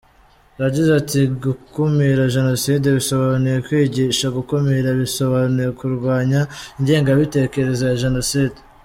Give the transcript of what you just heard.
Yagize ati “Gukumira Jenoside bisobanuye kwigisha, gukumira bisobanuye kurwanya ingengabitekerezo ya Jenoside.